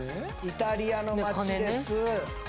イタリアの街です